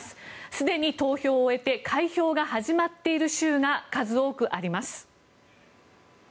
すでに投票を終えて開票が始まっている州が数多くあります。